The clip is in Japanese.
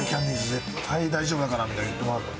絶対大丈夫だから」みたいに言ってもらってて。